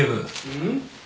うん？